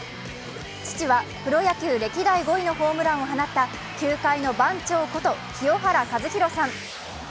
父はプロ野球歴代５位のホームランを放った球界の番長こと清原和博さん。